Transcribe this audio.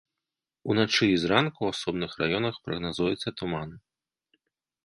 Уначы і зранку ў асобных раёнах прагназуецца туман.